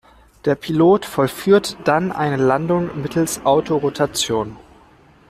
Der Pilot vollführt dann eine Landung mittels Autorotation.